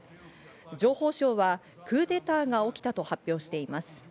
情報省はクーデターが起きたと発表しています。